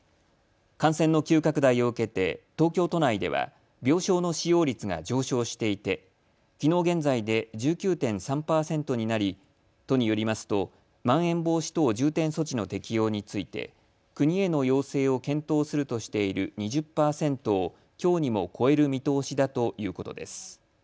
感染の急拡大をウケテ東京都内では病床の使用率が上昇していてきのう現在で１９．３％になり都によりますとまん延防止等重点措置の適用について国への要請を検討するとしている２０％をきょうにも超える見通しだということです。